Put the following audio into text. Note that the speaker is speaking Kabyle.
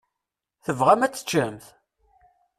Tebɣam ad teččemt?